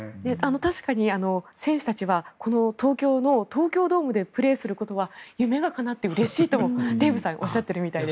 確かに選手たちは東京の東京ドームでプレーすることは夢がかなってうれしいとデーブさんおっしゃっているみたいです。